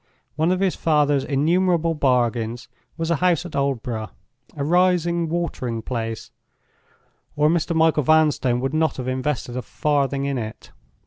One of his father's innumerable bargains was a house at Aldborough—a rising watering place, or Mr. Michael Vanstone would not have invested a farthing in it.